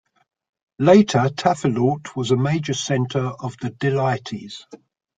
Later, Tafilalt was a major center of the Dila'ites.